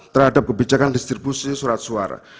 terhadap kebijakan distribusi surat suara